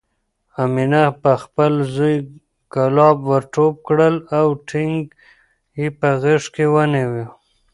امیه پخپل زوی کلاب ورټوپ کړل او ټینګ یې په غېږ کې ونیو.